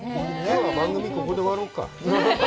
番組ここで終わろうか。